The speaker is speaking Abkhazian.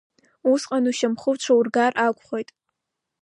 Усҟан ушьамхы уҽаургар акәхоит!